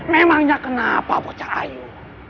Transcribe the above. memangnya kenapa pocat ayu